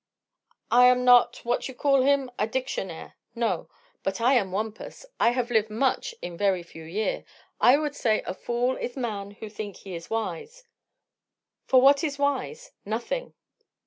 "I am not what you call him? a dictionairre; no. But I am Wampus. I have live much in very few year. I would say a fool is man who think he is wise. For what is wise? Nothing!"